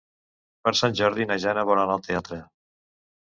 Per Sant Jordi na Jana vol anar al teatre.